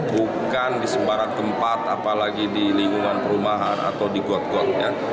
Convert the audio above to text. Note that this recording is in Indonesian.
bukan di sembarang tempat apalagi di lingkungan perumahan atau di got got ya